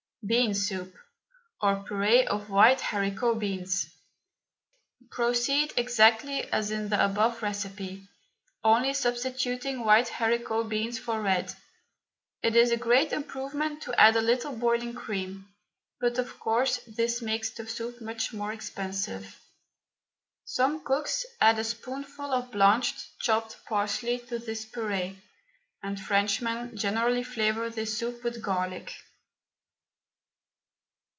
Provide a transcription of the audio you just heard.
BEAN SOUP, OR PUREE OF WHITE HARICOT BEANS. Proceed exactly as in the above recipe, only substituting white haricot beans for red. It is a great improvement to add a little boiling cream, but of course this makes the soup much more expensive. Some cooks add a spoonful of blanched, chopped parsley to this puree, and Frenchmen generally flavour this soup with garlic.